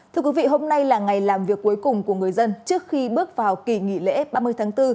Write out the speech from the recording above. thưa quý vị hôm nay là ngày làm việc cuối cùng của người dân trước khi bước vào kỳ nghỉ lễ ba mươi tháng bốn